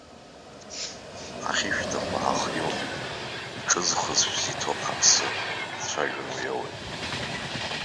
Ҳахьышәҭаху ҳахиоуп, иҿызхыз шәзы иҭоуп ҳаԥсы, дцәажәон уи ауаҩоу.